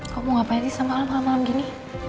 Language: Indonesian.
kok mau ngapain sih sama al malam malam gini